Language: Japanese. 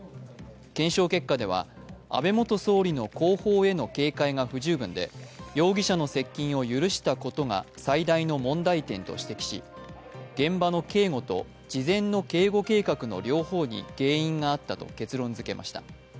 検証結果では、安倍元総理の後方への警戒が不十分で容疑者の接近を許したことが最大の問題点と指摘し現場の警護と、事前の警護計画の両方に原因があったと結論づけました。